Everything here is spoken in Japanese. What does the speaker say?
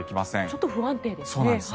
ちょっと不安定ですね。